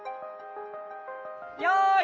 よい！